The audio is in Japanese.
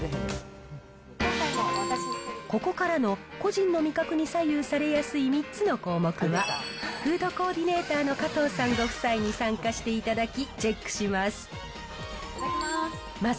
ここからの個人の味覚に左右されやすい３つの項目は、フードコーディネーターの加藤さんご夫妻に参加していただき、チェックします。